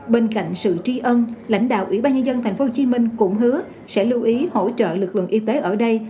bên cạnh sự tri ân lãnh đạo ủy ban nhân dân tp hcm cũng hứa sẽ lưu ý hỗ trợ lực lượng y tế ở đây